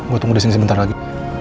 gue tunggu disini sebentar lagi